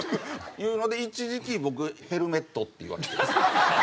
いうので一時期僕「ヘルメット」って言われてたんです。